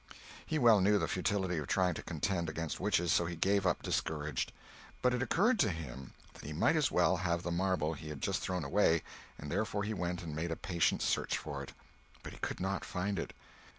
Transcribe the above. He well knew the futility of trying to contend against witches, so he gave up discouraged. But it occurred to him that he might as well have the marble he had just thrown away, and therefore he went and made a patient search for it. But he could not find it.